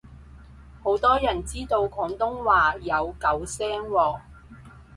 好多人知道廣東話有九聲喎